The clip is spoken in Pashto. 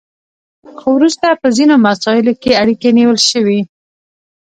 خو وروسته په ځینو مساییلو کې اړیکې نیول شوي